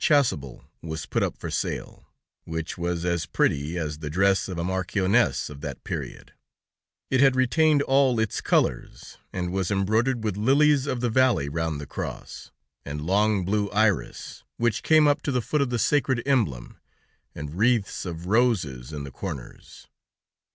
chasuble was put up for sale, which was as pretty as the dress of a marchioness of that period; it had retained all its colors, and was embroidered with lilies of the valley round the cross, and long blue iris, which came up to the foot of the sacred emblem, and wreaths of roses in the corners.